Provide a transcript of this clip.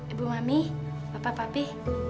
ibu mami bapak papi